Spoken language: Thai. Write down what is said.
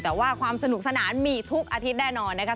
แต่ว่าความสนุกสนานมีทุกอาทิตย์แน่นอนนะครับ